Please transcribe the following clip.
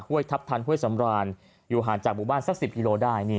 ทัพทันห้วยสำรานอยู่ห่างจากหมู่บ้านสัก๑๐กิโลได้